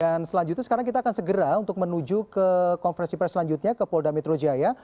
dan selanjutnya sekarang kita akan segera untuk menuju ke konversi press selanjutnya ke polda metro jaya